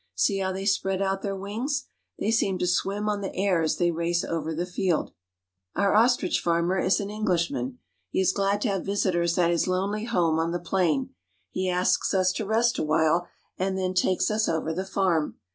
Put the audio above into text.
See how the] spread out their wings; they seem to swim on the as they race over the field. ;an ^^^^ Our ostrich farmer is an Englishman. He is glad to have visitors at his lonely home on the plain. He asks us to rest awhile, and then takes us over the farm.